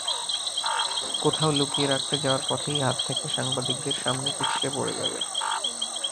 কোথাও লুকিয়ে রাখতে যাওয়ার পথেই হাত থেকে সাংবাদিকদের সামনে পিছলে পড়ে যাবে।